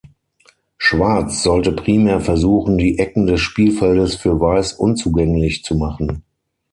Schwarz sollte primär versuchen, die Ecken des Spielfeldes für Weiß unzugänglich zu machen.